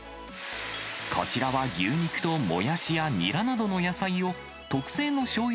こちらは牛肉とモヤシやニラなどの野菜を、特製のしょうゆ